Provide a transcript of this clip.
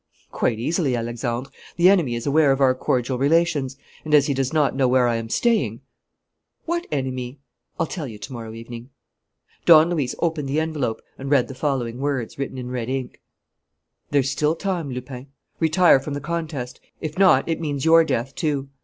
"Quite easily, Alexandre. The enemy is aware of our cordial relations; and, as he does not know where I am staying " "What enemy?" "I'll tell you to morrow evening." Don Luis opened the envelope and read the following words, written in red ink: "There's still time, Lupin. Retire from the contest. If not, it means your death, too.